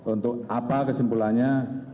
untuk apa kesimpulannya